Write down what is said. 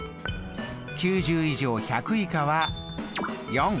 ９０以上１００以下は４。